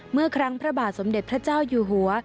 เมื่อครั้งพระบาทสมเด็จพระเจ้าอยู่หัว